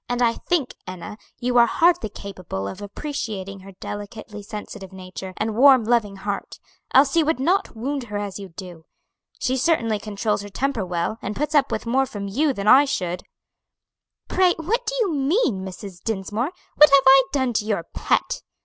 "And I think, Enna, you are hardly capable of appreciating her delicately sensitive nature, and warm, loving heart, else you would not wound her as you do. She certainly controls her temper well, and puts up with more from you than I should." "Pray, what do you mean, Mrs. Dinsmore? what have I done to your pet?"